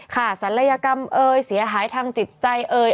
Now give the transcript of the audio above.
ศัลยกรรมเอ่ยเสียหายทางจิตใจเอ่ย